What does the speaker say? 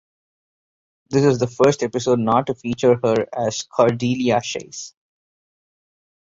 This is the first episode not to feature her as Cordelia Chase.